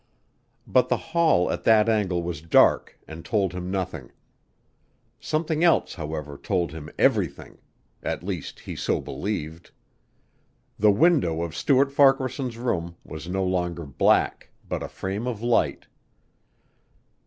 But the hall at that angle was dark and told him nothing. Something else however told him everything at least he so believed. The window of Stuart Farquaharson's room was no longer black but a frame of light.